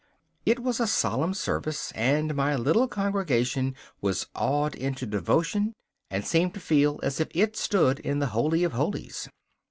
It was a solemn service, and my little congregation was awed into devotion and seemed to feel as if it stood in the Holy of Holies.